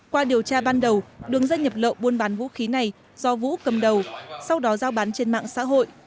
qua điều tra ban đầu đường dây nhập lậu buôn bán vũ khí này do vũ cầm đầu sau đó giao bán trên mạng xã hội